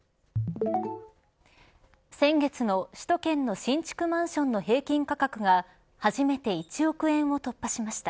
先月の首都圏の新築マンションの平均価格が初めて１億円を突破しました。